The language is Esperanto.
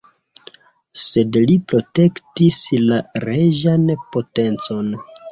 Sed li protektis la reĝan potencon.